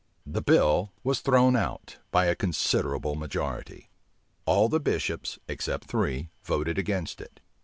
The bill was thrown out by a considerable majority. All the bishops, except three, voted against it.